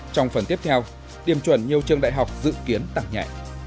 trong phần tiếp theo điểm chuẩn nhiều trường đại học dự kiến tăng nhẹ